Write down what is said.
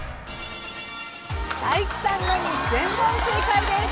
才木さんのみ全問正解です。